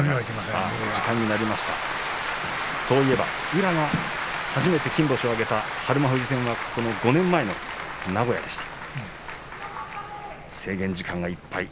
宇良が初めて金星を挙げた日馬富士戦は５年前の名古屋でした。